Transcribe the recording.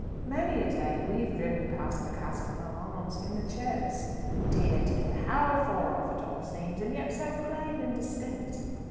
Many a day we've driven past the Castlecombe Arms in the chaise. Dear, dear, how far off it all seems, and yet so plain and distinct!